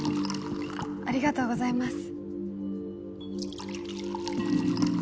ありがとうございます